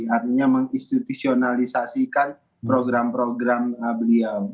artinya menginstitutionalisasikan program program beliau